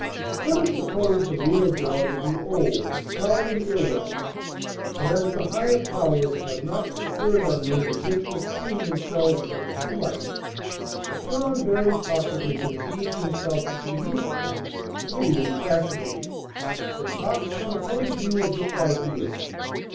Let us suppose the real John to be old, dull and ill looking. But as the Higher Powers have not conferred on men the gift of seeing themselves in the true light, John very possibly conceives himself to be youthful, witty, and fascinating, and talks from the point of view of this ideal.